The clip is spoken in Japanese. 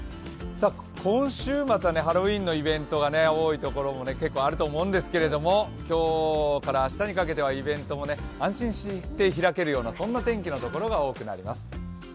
今週末はハロウィーンのイベントが多い所も結構、あると思うんですけれども今日から明日にかけてはイベントも安心して開けるような天気の所が多くなります。